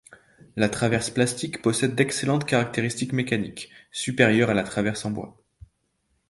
La traverse plastique possède d'excellentes caractéristiques mécaniques, supérieures à la traverse en bois.